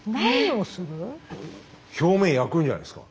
表面焼くんじゃないですか？